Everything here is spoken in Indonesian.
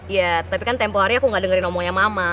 ya tapi kan tempoh hari aku nggak dengerin omongnya mama